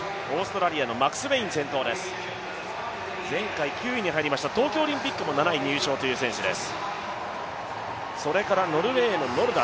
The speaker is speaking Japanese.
マクスウェインは前回９位に入りました、東京オリンピックも７位入賞という選手です。